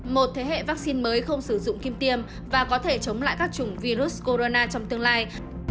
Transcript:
một thế hệ vaccine mới không sử dụng kim tiêm và có thể chống lại các chủng virus corona trong tương lai